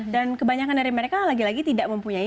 dan kebanyakan dari mereka lagi lagi tidak mempunyai